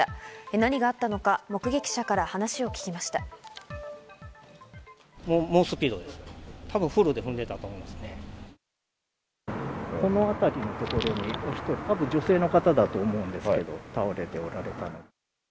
何があったのか目撃者から話を聞きました。